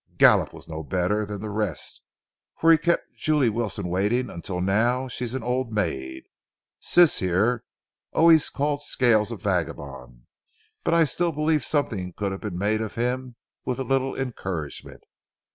Gallup was no better than the rest, for he kept Jule Wilson waiting until now she's an old maid. Sis, here, always called Scales a vagabond, but I still believe something could have been made of him with a little encouragement.